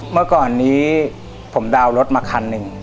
เมื่อก่อนนี้ผมดาวน์รถมาคันหนึ่ง